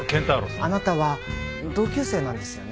あなたは同級生なんですよね？